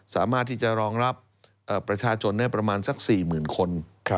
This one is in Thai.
สามารถที่จะรองรับประชาชนได้ประมาณสัก๔๐๐๐คน